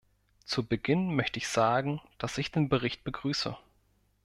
Zu Beginn möchte ich sagen, dass ich den Bericht begrüße.